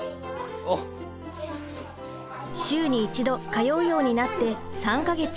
週に一度通うようになって３か月。